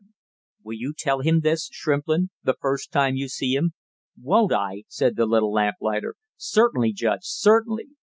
"Will you tell him this, Shrimplin, the first time you see him?" "Won't I!" said the little lamplighter. "Certainly, Judge certainly!"